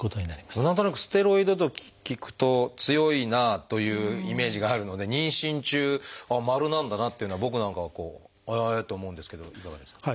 でも何となくステロイドと聞くと強いなあというイメージがあるので妊娠中「○」なんだなっていうのは僕なんかはこうへえと思うんですけどいかがですか？